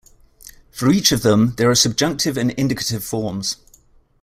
For each of them, there are subjunctive and indicative forms.